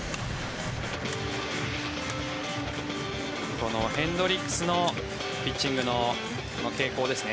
このヘンドリックスのピッチングの傾向ですね。